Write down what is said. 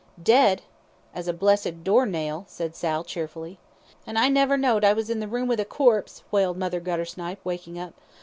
"Dead?" "As a blessed door nail," said Sal, cheerfully. "An' I never knowd I was in the room with a corpse," wailed Mother Guttersnipe, waking up.